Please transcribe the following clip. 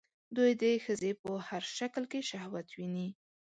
دوی د ښځې په هر شکل کې شهوت ويني